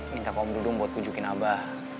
minta ke om dudung buat pujukin abah